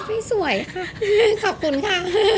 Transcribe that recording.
สวยค่ะขอบคุณค่ะ